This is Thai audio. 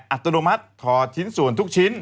อัตโนมัติถอดชิ้นส่วนทุกชิ้น